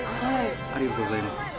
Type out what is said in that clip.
ありがとうございます。